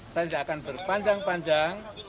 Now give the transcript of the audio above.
saya tidak akan berpanjang panjang